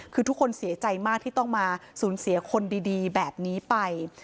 คือทุกคนเสียใจมากที่ต้องมาสูญเสียคนดีแบบนี้ไป